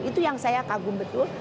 itu yang saya kagum betul